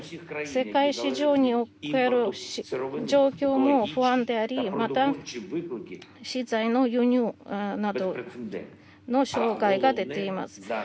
世界市場における状況も不安であり、また、資材の輸入などの障害が出ています。